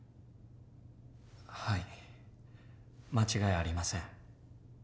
はい間違いありません。